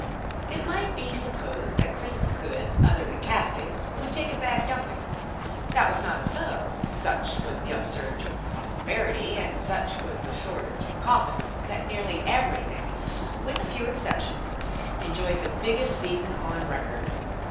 It might be supposed that Christmas goods other than caskets would take a bad dumping. That was not so. Such was the upsurge of prosperity, and such was the shortage of coffins, that nearly everything with a few exceptions enjoyed the biggest season on record.